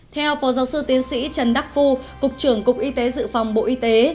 theo phó giáo sư tiến sĩ trần đắc phu cục trưởng cục y tế dự phòng bộ y tế